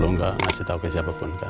lo gak ngasih tau ke siapapun kan